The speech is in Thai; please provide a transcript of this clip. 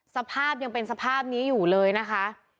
สภาพยังเป็นสภาพนี้อยู่เลยนะคะ